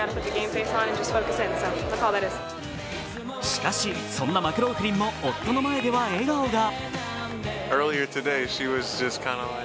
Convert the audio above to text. しかし、そんなマクローフリンも夫の前では笑顔が。